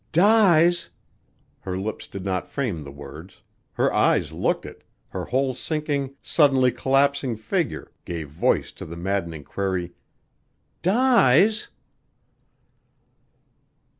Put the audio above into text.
"Dies?" Her lips did not frame the words; her eyes looked it, her whole sinking, suddenly collapsing figure gave voice to the maddening query, "_Dies?